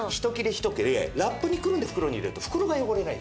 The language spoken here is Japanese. ひと切れラップにくるんで袋に入れると袋が汚れない。